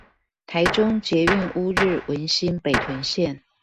臺中捷運烏日文心北屯線